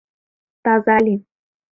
Таза лий!